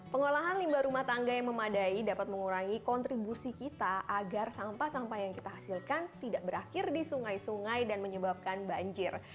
pengolahan limbah rumah tangga yang memadai dapat mengurangi kontribusi kita agar sampah sampah yang kita hasilkan tidak berakhir di sungai sungai dan menyebabkan banjir